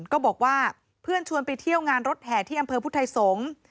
ก็บอกว่าเพื่อนชวนไปเที่ยวงานรถแห่ที่อำเภอพุทธไทยสงฆ์